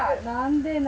何で？